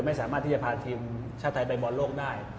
ไม่สามารถที่จะพาทีมชาติไทยไปบอลโลกได้